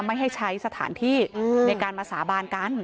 ไม่ให้ใช้สถานที่ในการมาสาบานกัน